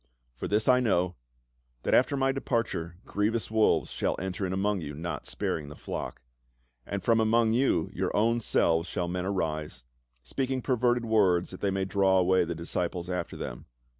For this I know, that after my departure grievous wolves shall enter in among you, not sparing the flock. And from among your own selves shall men arise, speak ing perverted words that they may draw away the dis ciples after them.